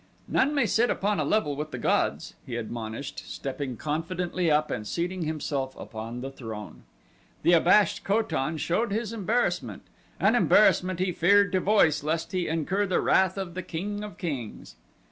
"None may sit upon a level with the gods," he admonished, stepping confidently up and seating himself upon the throne. The abashed Ko tan showed his embarrassment, an embarrassment he feared to voice lest he incur the wrath of the king of kings.